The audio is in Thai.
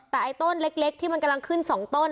แต่ไอ้ต้นเล็กที่มันกำลังขึ้น๒ต้น